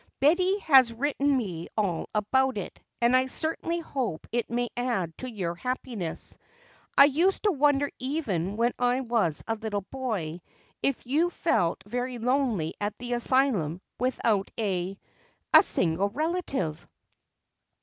Betty has written me all about it and I certainly hope it may add to your happiness. I used to wonder even when I was a little boy if you felt very lonely at the asylum without a a single relative."